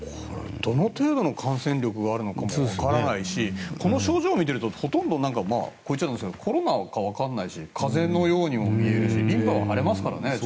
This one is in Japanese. どの程度の感染力があるのか分からないしこの症状を見ているとほとんどこう言っちゃなんですがコロナか分からないし風邪のようにも見えるしリンパ腫れますからね。